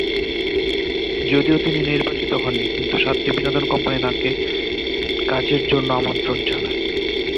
যদিও তিনি নির্বাচিত হননি, কিন্তু সাতটি বিনোদন কোম্পানি তাঁকে কাজের জন্য আমন্ত্রণ জানায়।